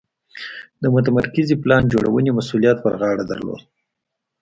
د متمرکزې پلان جوړونې مسوولیت پر غاړه درلود.